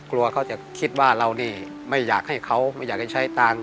กลัวเขาจะคิดว่าเรานี่ไม่อยากให้เขาไม่อยากได้ใช้ตังค์